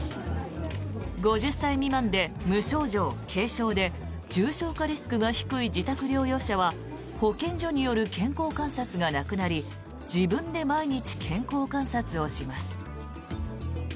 ５０歳未満で無症状・軽症で重症化リスクが低い自宅療養者は保健所による健康観察がなくなり自分で毎日健康観察をします。